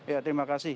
ya terima kasih